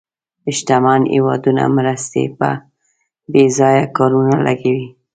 شتمن هېوادونه مرستې په بې ځایه کارونو لګوي.